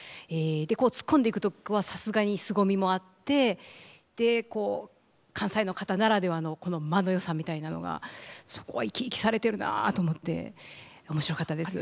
でツッコんでいくとこはさすがにすごみもあってでこう関西の方ならではのこの間のよさみたいなのがそこは生き生きされてるなと思って面白かったです。